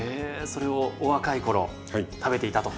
それをお若い頃食べていたと。